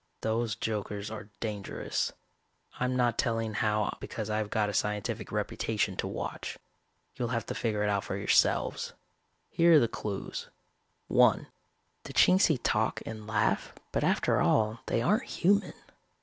Those jokers are dangerous. I'm not telling how because I've got a scientific reputation to watch. You'll have to figure it out for yourselves. Here are the clues: (1) The Chingsi talk and laugh but after all they aren't human.